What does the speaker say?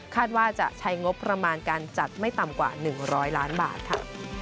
ว่าจะใช้งบประมาณการจัดไม่ต่ำกว่า๑๐๐ล้านบาทค่ะ